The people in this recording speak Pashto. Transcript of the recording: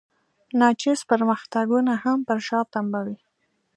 ناچیز پرمختګونه هم پر شا تمبوي.